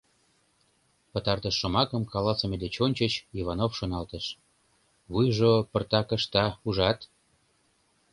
Пытартыш шомакым каласыме деч ончыч Иванов шоналтыш: «Вуйжо пыртак ышта, ужат.